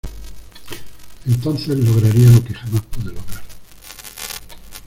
entonces lograría lo que jamás pude lograr.